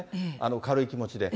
軽い気持ちで。